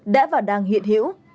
đã và đang hiện hữu